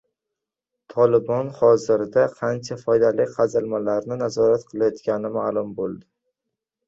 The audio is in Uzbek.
Tolibon hozirda qancha foydali qazilmalarni nazorat qilayotgani ma’lum bo‘ldi